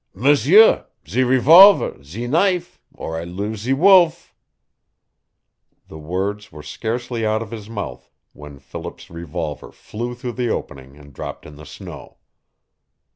"M'sieu ze revolv' ze knife or I loose ze wolve " The words were scarcely out of his mouth when Philip's revolver flew through the opening and dropped in the snow.